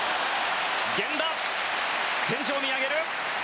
源田、天井を見上げる。